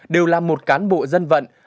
đều là một cán bộ dân vận